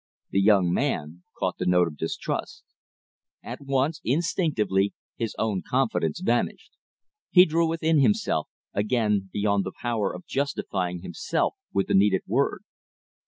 The young man caught the note of distrust. At once, instinctively, his own confidence vanished. He drew within himself, again beyond the power of justifying himself with the needed word.